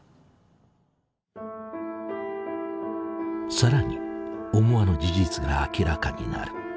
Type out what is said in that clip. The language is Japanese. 更に思わぬ事実が明らかになる。